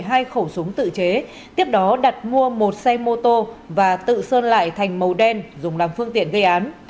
hai khẩu súng tự chế tiếp đó đặt mua một xe mô tô và tự sơn lại thành màu đen dùng làm phương tiện gây án